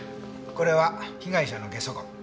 これは被害者の下足痕。